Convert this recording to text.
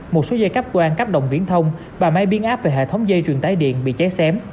một số dây cắp quang cắp đồng viễn thông và máy biên áp về hệ thống dây truyền tái điện bị cháy xém